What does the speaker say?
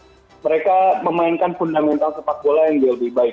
tapi saya lihat justru mereka memainkan fundamental sepak bola yang lebih baik